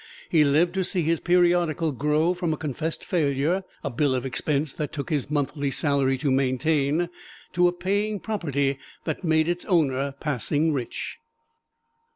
He lived to see his periodical grow from a confessed failure a bill of expense that took his monthly salary to maintain to a paying property that made its owner passing rich.